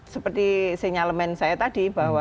seperti sinyalemen saya tadi bahwa